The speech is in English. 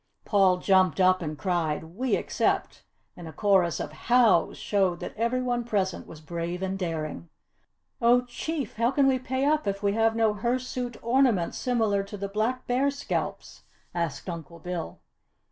Paul jumped up and cried, "We accept!" And a chorus of "Hows!" showed that every one present was brave and daring. "Oh Chief! How can we pay up if we have no hirsute adornments similar to the Black Bear scalps?" asked Uncle Bill.